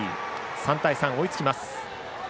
３対３、追いつきます。